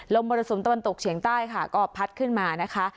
มรสุมตะวันตกเฉียงใต้ค่ะก็พัดขึ้นมานะคะ